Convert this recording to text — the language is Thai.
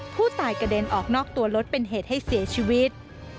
กระเด็นออกนอกตัวรถเป็นเหตุให้เสียชีวิต